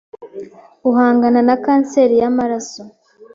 uhangana na kanseri y’amaraso